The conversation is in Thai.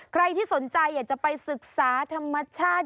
ใครที่สนใจอยากจะไปศึกษาธรรมชาติ